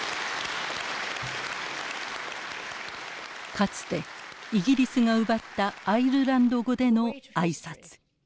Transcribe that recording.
かつてイギリスが奪ったアイルランド語での挨拶。